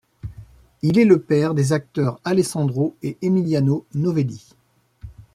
Il est le père des acteurs Alessandro et Emiliano Novelli.